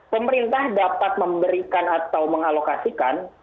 pemerintah dapat memberikan atau mengalokasikan